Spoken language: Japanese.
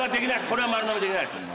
これは丸のみできないです。